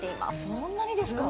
そんなにですか。